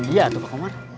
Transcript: iya pak omar